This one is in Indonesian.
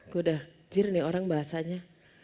gue udah jir nih orang bahasanya